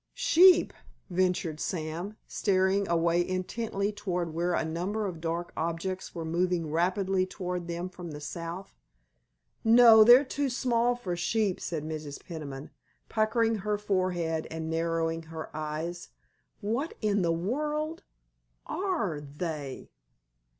"Sheep!" ventured Sam, staring away intently toward where a number of dark objects were moving rapidly toward them from the south. "No, they're too small for sheep," said Mrs. Peniman, puckering her forehead and narrowing her eyes; "what in the world are they?"